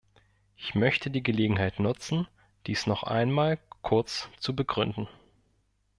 Ich möchte die Gelegenheit nutzen, dies noch einmal kurz zu begründen.